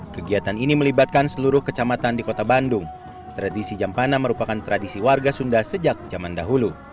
kegiatan ini melibatkan seluruh kecamatan di kota bandung tradisi jampana merupakan tradisi warga sunda sejak zaman dahulu